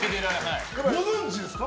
ご存じですか？